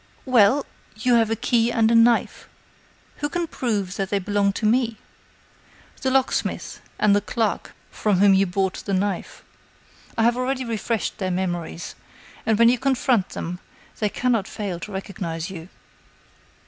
"Well!.... you have a key and a knife. Who can prove that they belong to me?" "The locksmith, and the clerk from whom you bought the knife. I have already refreshed their memories, and, when you confront them, they cannot fail to recognize you."